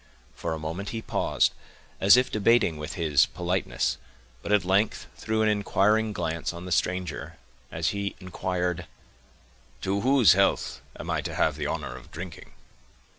For a moment he paused, as if debating with his politeness, but at length threw an inquiring glance on the stranger, as he inquired,— "To whose health am I to have the honor of drinking?"